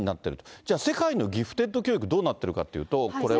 じゃあ、世界のギフテッド教育どうなっているかというと。